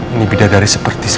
ini bidadari seperti ini